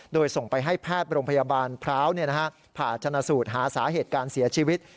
โดยส่งไปให้แพทย์โรงพยาบาลพร้าวผ่าชนะสูตรหาสาเหตุการเสียชีวิต